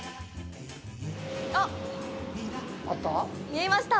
あっ、見えました。